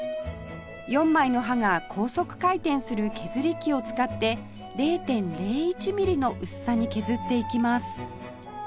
４枚の刃が高速回転する削り器を使って ０．０１ ミリの薄さに削っていきます